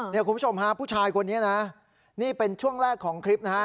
คุณผู้ชมฮะผู้ชายคนนี้นะนี่เป็นช่วงแรกของคลิปนะฮะ